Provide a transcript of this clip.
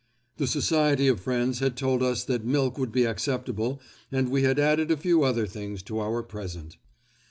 The Society of Friends had told us that milk would be acceptable and we had added a few other things to our present.